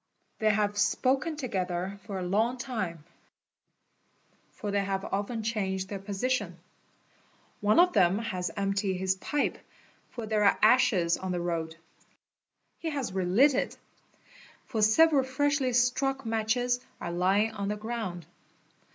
They have spoken togethe for a long time, for they have often changed their position. One of then has emptied his pipe, for there are ashes on the road; he has relit it, fo : several freshly struck matches are lying on the ground.